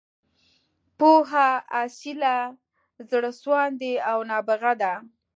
پوهه، اصیله، زړه سواندې او نابغه ده.